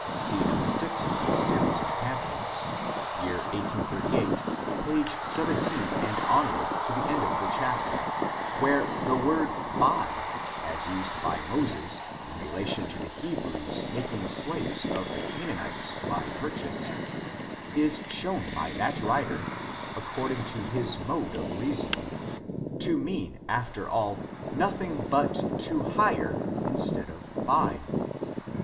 '^ See No. 6 of this series of pamphlets, year 1838, p. 17, and onward to the end of the chapter, where the word BUT, as used by Moses, in relation to the He brews making slaves of the Canaanites by purchase^ is shown by that writer, according to his mode of reasoning, to mean, after all, nothing but to kire^ in* stead of buy.